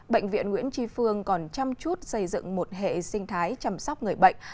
bệnh viện nguyễn tri phương còn chăm chút xây dựng một hệ sinh thái chăm sóc người bệnh